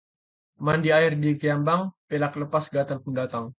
Mandi di air kiambang, pelak lepas gatalpun datang